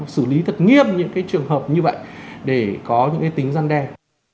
xử lý thật nghiêm những cái trường hợp như vậy để có những cái tính răn đen